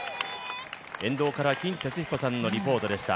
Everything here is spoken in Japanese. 沿道から金哲彦さんのリポートでした。